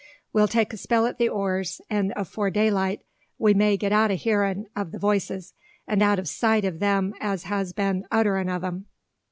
We'll take a spell at the oars, and afore daylight we may get out o' hearin' o' the voices, and out of sight o' them as has been utterin' o' them."